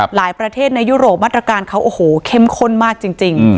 หลายประเทศในยุโรปมาตรการเขาเข้มข้นมากจริง